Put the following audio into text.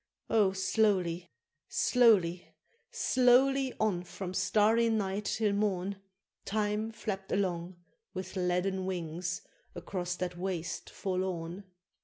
Oh! slowly, slowly, slowly on, from starry night till morn, Time flapp'd along, with leaden wings, across that waste forlorn!